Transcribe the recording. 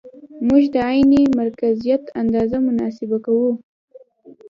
موږ د عین مرکزیت اندازه محاسبه کوو